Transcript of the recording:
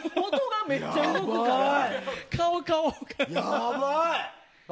やばい！